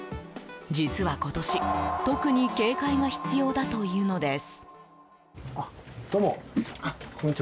実は今年特に警戒が必要だというのです。